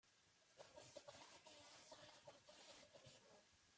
Las principales actividades son la agricultura y el turismo.